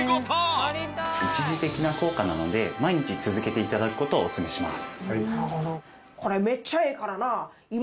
一時的な効果なので毎日続けて頂く事をおすすめします。